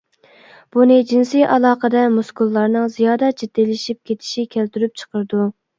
بۇنى جىنسىي ئالاقىدە مۇسكۇللارنىڭ زىيادە جىددىيلىشىپ كېتىشى كەلتۈرۈپ چىقىرىدۇ.